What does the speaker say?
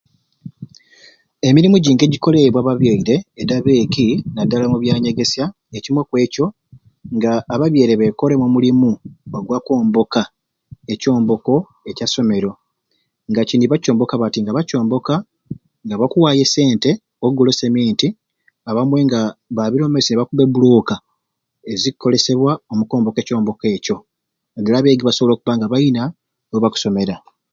Emirimu gyingi egyikolebwe ab'abyere edi abaigi nadala omu byanyegesya ekimwei okwekyo nga ab'abyere bekoremu omulimu ogwa komboka ekyomboka ekya somero nga kyini bakyomboka bati bakyomboka nga bakuwayo esente okugula oseminti abamwei nga babire omu maiso ne bakuba e bulooka ezikukolesebwa omu komboka ekyomboko ekyo nadala abaigi basobole okuba nga bayina we bakusoma